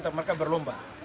tapi mereka berlomba